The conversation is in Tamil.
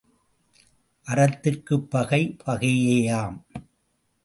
அறத்திற்குப் பகை, பகையேயாம்.